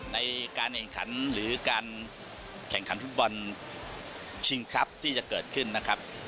ในการแข่งขันหรือการแข่งขันฟุตบอลชิงครับที่จะเกิดขึ้นนะครับ